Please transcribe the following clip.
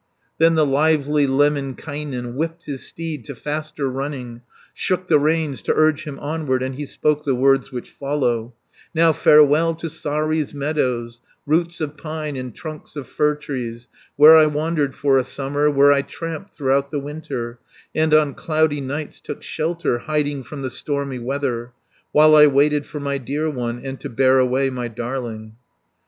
Then the lively Lemminkainen Whipped his steed to faster running, Shook the reins to urge him onward, And he spoke the words which follow: "Now farewell to Saari's meadows, Roots of pine, and trunks of fir trees, 320 Where I wandered for a summer, Where I tramped throughout the winter, And on cloudy nights took shelter, Hiding from the stormy weather, While I waited for my dear one, And to bear away my darling."